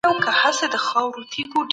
انسان تل نویو معلوماتو ته اړتیا لري.